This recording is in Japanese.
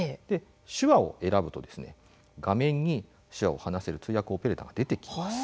手話を選んだ場合画面に手話が話せる通訳オペレーターが出てきます。